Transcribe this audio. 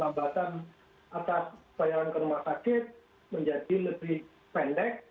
lambatan atas bayaran ke rumah sakit menjadi lebih pendek